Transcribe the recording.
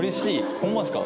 ホンマですか？